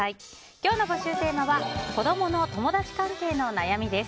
今日の募集テーマは子供の友達関係の悩みです。